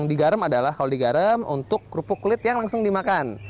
yang digarem adalah kalau digarem untuk kerupuk kulit yang langsung dimakan